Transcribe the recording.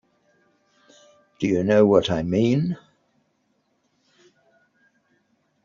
Do you know what I mean?